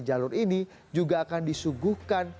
jalur ini juga akan disuguhkan